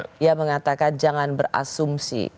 dia mengatakan jangan berasumsi